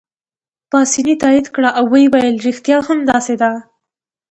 پاسیني تایید کړه او ویې ویل: ریښتیا هم داسې ده.